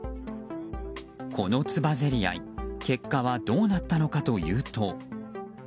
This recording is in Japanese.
このつばぜり合い結果はどうなったのかというと。